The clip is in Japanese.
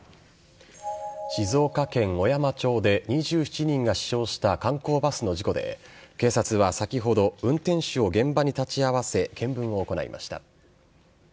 静岡県小山町で２７人が死傷した観光バスの事故で警察は先ほど運転手を現場に立ち合わせ見聞を行いました。